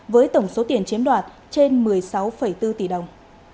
với tổng số tiền chiếm đoạt trên một mươi sáu bốn tỷ đồng